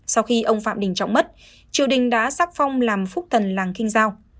sau khi ông phạm đình trọng mất triều đình đã sắc phong làm phúc thần làng kinh giao